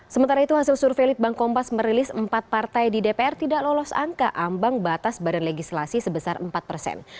sementara itu hasil survei litbang kompas merilis empat partai di dpr tidak lolos angka ambang batas badan legislasi sebesar empat persen